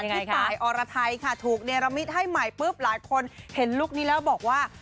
พี่ตายอรไทยค่ะถูกเนรมิตให้ใหม่ปุ๊บหลายคนเห็นลุคนี้แล้วบอกว่า